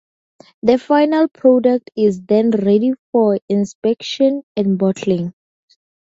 The final product is then ready for inspection and bottling.